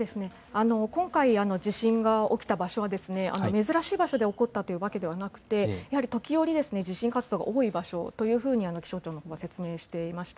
今回、地震が起きた場所は珍しい場所で起こったというわけではなくて、時折、地震活動が多い場所というふうに気象庁は説明していました。